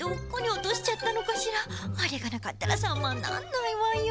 あれがなかったらサマにならないわよ。